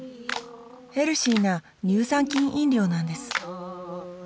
ヘルシーな乳酸菌飲料なんです